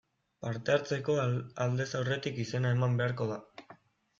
Parte hartzeko, aldez aurretik izena eman beharko da.